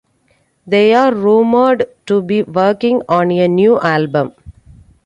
They are rumored to be working on a new album.